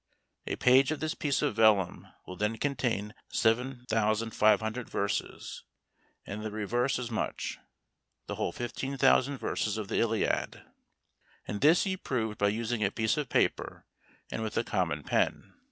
A page of this piece of vellum will then contain 7500 verses, and the reverse as much; the whole 15,000 verses of the Iliad. And this he proved by using a piece of paper, and with a common pen.